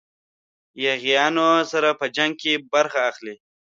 یاغیانو سره په جنګ کې برخه واخلي.